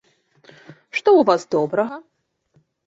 Што ў вас добрага?